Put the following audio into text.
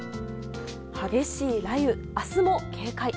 激しい雷雨、明日も警戒。